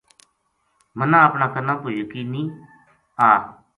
مَنا اپنا کَنا پو یقین نیہہ آ